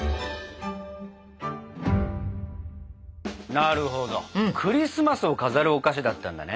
なるほどクリスマスを飾るお菓子だったんだね。